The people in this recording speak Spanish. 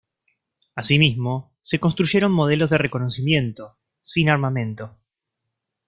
Asimismo se construyeron modelos de reconocimiento, sin armamento.